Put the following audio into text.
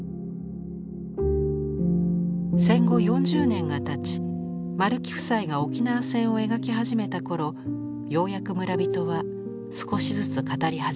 戦後４０年がたち丸木夫妻が沖縄戦を描き始めた頃ようやく村人は少しずつ語り始めました。